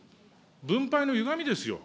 分配のゆがみですよ。